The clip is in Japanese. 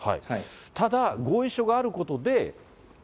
ただ、合意書があることで。